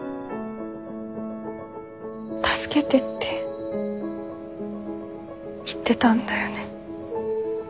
助けてって言ってたんだよね。